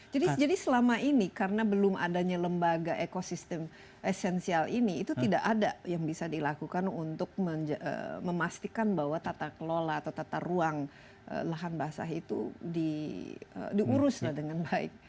jadi selama ini karena belum adanya lembaga ekosistem esensial ini itu tidak ada yang bisa dilakukan untuk memastikan bahwa tata kelola atau tata ruang lahan basah itu diurus dengan baik